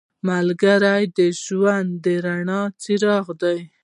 ملګری د ژوند د رڼا څراغ دی